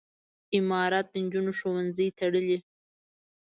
امارت د نجونو ښوونځي تړلي.